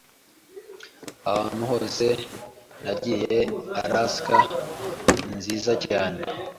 Ahantu hose nagiye, Alaska ninziza cyane.